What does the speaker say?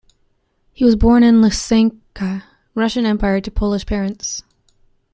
He was born in Lysianka, Russian Empire to Polish parents.